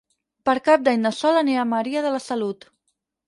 Per Cap d'Any na Sol anirà a Maria de la Salut.